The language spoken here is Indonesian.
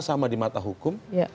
sama di mata hukum